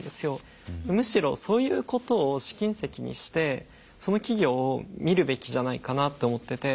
むしろそういうことを試金石にしてその企業を見るべきじゃないかなって思ってて。